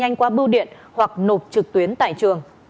thí sinh sẽ gửi bài thi qua bưu điện hoặc nộp trực tuyến tại trường